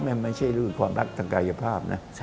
ไม่ใช่ความรักทางกายภาพนะ